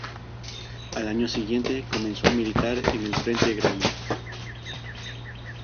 Al año siguiente, comenzó a militar en el Frente Grande.